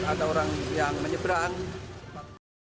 mungkin dan lebih dan lebih banyak yang berusaha teri alasan datang